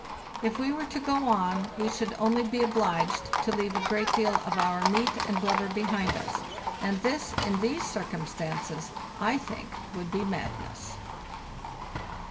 If we were to go on we should only be obliged to leave a great deal of our meat and blubber behind us, and this, in these circumstances, I think would be madness.